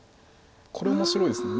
これ面白いです。